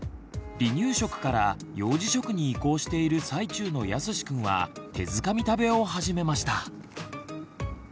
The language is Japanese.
離乳食から幼児食に移行している最中のやすしくんは手づかみ食べを始めました。